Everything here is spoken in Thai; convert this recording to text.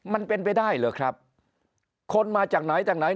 มันเป็นไปได้เหรอครับคนมาจากไหนจากไหน